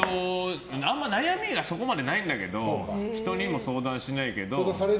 あんまり悩みがないんだけど人にも相談しないけど。